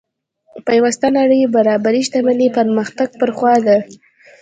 پیوسته نړۍ برابرۍ شتمنۍ پرمختګ پر خوا ده.